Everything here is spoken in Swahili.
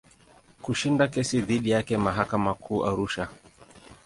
Kushinda kesi dhidi yake mahakama Kuu Arusha.